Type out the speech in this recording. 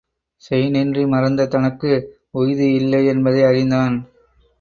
செய்ந்நன்றி மறந்த தனக்கு உய்தி இல்லை என்பதை அறிந்தான்.